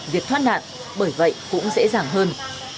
việc thoát nạn bởi vậy cũng dễ dàng hơn